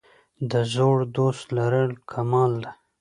د زوړ دوست لرل کمال دی.